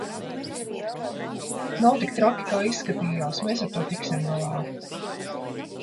Nav tik traki kā izskatījās, mēs ar to tiksim galā.